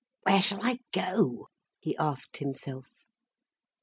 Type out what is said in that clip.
"Where shall I go?" he asked himself.